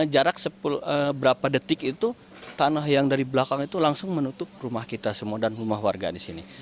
jarak berapa detik itu tanah yang dari belakang itu langsung menutup rumah kita semua dan rumah warga di sini